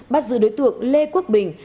bắt giữ đối tượng lê quốc bình